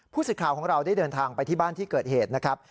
สิทธิ์ข่าวของเราได้เดินทางไปที่บ้านที่เกิดเหตุนะครับ